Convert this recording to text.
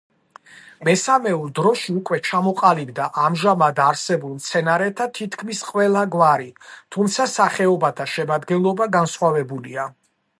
მესამეულ დროში უკვე ჩამოყალიბდა ამჟამად არსებულ მცენარეთა თითქმის ყველა გვარი, თუმცა სახეობათა შემადგენლობა განსხვავებულია.